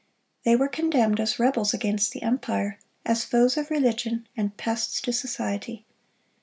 They were condemned as rebels against the empire, as foes of religion, and pests to society.